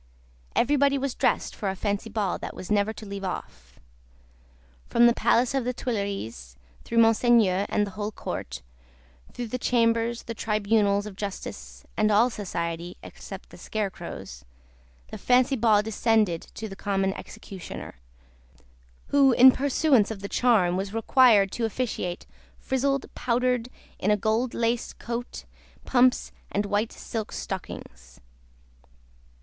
Everybody was dressed for a Fancy Ball that was never to leave off. From the Palace of the Tuileries, through Monseigneur and the whole Court, through the Chambers, the Tribunals of Justice, and all society (except the scarecrows), the Fancy Ball descended to the Common Executioner: who, in pursuance of the charm, was required to officiate "frizzled, powdered, in a gold laced coat, pumps, and white silk stockings."